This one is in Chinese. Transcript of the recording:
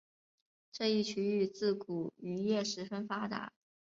这一区域自古渔业十分发达。